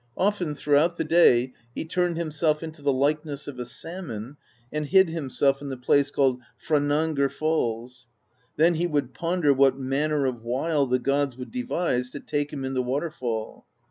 Often throughout the day he turned him self into the likeness of a salmon and hid himself in the place called Franangr Falls ; then he would ponder what manner of wile the gods would devise to take him in the water fall.